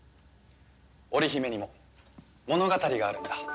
織姫にも物語があるんだ。